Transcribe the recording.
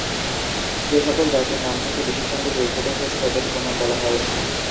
যে সকল ব্যক্তির নাম থেকে বিশেষণগুলি উদ্ভূত হয়েছে তাদের উপনাম বলা হয়।